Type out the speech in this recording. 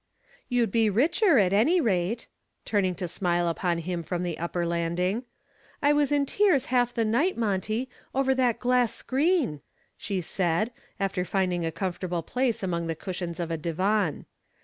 "You'd be richer, at any rate," turning to smile upon him from the upper landing. "I was in tears half the night, Monty, over that glass screen," she said, after finding a comfortable place among the cushions of a divan.